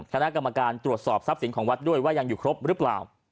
คณะกรรมการตรวจสอบทรัพย์สินของวัดด้วยว่ายังอยู่ครบหรือเปล่า